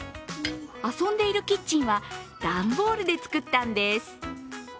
遊んでいるキッチンは段ボールで作ったんです。